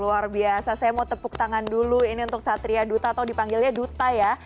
luar biasa saya mau tepuk tangan dulu ini untuk satria duta atau dipanggilnya duta ya